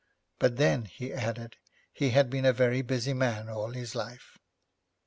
But then, he added, he had been a very busy man all his life.